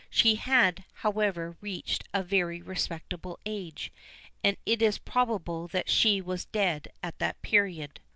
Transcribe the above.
She had, however, reached a very respectable age, and it is probable that she was dead at that period.